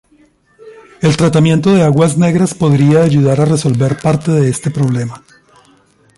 El tratamiento de aguas negras podría ayudar a resolver parte de este problema.